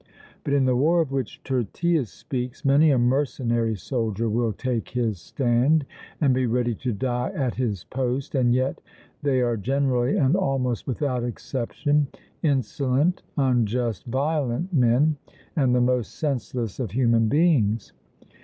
But in the war of which Tyrtaeus speaks, many a mercenary soldier will take his stand and be ready to die at his post, and yet they are generally and almost without exception insolent, unjust, violent men, and the most senseless of human beings.